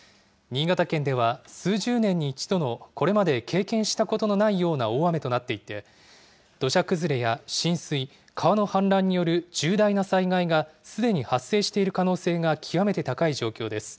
新潟県では数十年に一度のこれまで経験したことのないような大雨となっていて、土砂崩れや浸水、川の氾濫による重大な災害がすでに発生している可能性が極めて高い状況です。